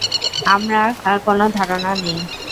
আমার কোনো ধারণা নেই!